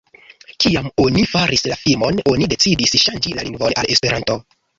Kiam oni faris la filmon, oni decidis ŝanĝi la lingvon al Esperanto.